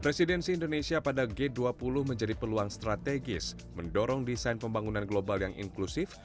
presidensi indonesia pada g dua puluh menjadi peluang strategis mendorong desain pembangunan global yang inklusif